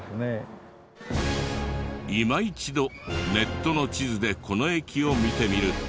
いま一度ネットの地図でこの駅を見てみると。